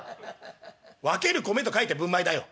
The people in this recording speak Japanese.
分ける米と書いて分米だよ」。